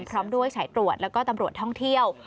พร้อมด้วยสายตรวจแล้วก็ตำรวจท่องเที่ยว